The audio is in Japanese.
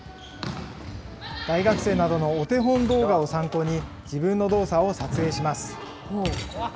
大学生などのお手本動画を参考に、自分の動作を撮影します。